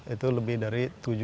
itu lebih dari tujuh